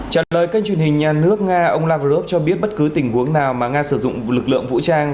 trả lời kênh truyền hình nhà nước nga ông lavrov cho biết bất cứ tình huống nào mà nga sử dụng lực lượng vũ trang